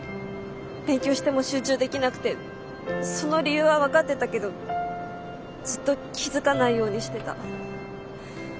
勉強しても集中できなくてその理由は分かってたけどずっと気付かないようにしてた。